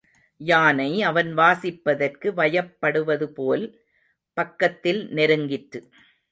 யானை அவன் வாசிப்பதற்கு வயப்படுவதுபோல் பக்கத்தில் நெருங்கிற்று.